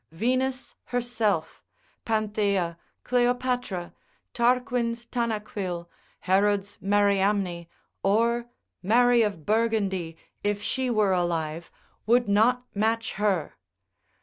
Venus herself, Panthea, Cleopatra, Tarquin's Tanaquil, Herod's Mariamne, or Mary of Burgundy, if she were alive, would not match her.